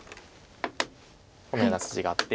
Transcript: このような筋があって。